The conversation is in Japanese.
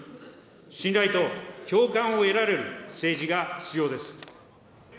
信頼と共感を得られる政治が必要です。